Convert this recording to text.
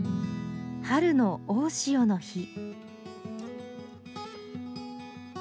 春の大潮の日。